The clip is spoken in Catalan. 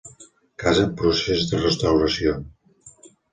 Casa en procés de restauració.